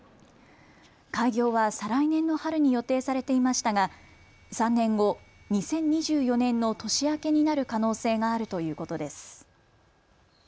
開業は再来年の春に予定されていましたが３年後、２０２４年の年明けになる可能性があるということです。